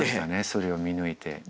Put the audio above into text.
それを見抜いて。